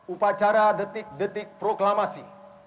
upacara detik detik proklamasi